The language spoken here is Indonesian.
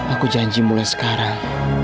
aku janji mulai sekarang